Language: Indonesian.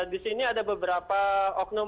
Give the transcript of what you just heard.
disini ada beberapa oknum